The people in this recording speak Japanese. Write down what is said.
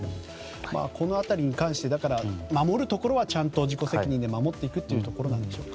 守るところはちゃんと自己責任で守っていくというところなんでしょうか。